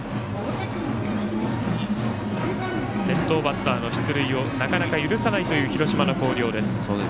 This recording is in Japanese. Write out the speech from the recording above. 先頭バッターの出塁をなかなか許さないという広島の広陵です。